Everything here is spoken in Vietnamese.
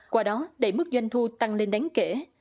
qua đó đẩy mức doanh thu tăng lên đáng kể